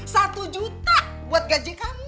satu juta buat gaji kamu